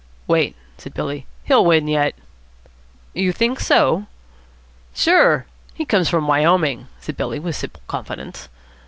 "Wait," said Billy. "He'll win yet." "You think so?" "Sure. He comes from Wyoming," said Billy with simple confidence.